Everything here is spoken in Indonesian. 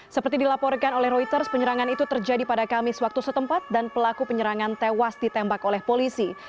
seperti dilaporkan oleh reuters penyerangan itu terjadi pada kamis waktu setempat dan pelaku penyerangan tewas ditembak oleh polisi